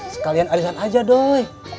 sekalian arisan aja doi